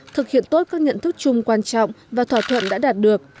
thực hiện tốt các nhận thức chung quan trọng và thỏa thuận đã đạt được